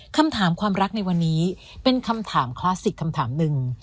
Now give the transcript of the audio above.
คำถามความรักในวันนี้เป็นคำถามคลาสสิกคำถามหนึ่ง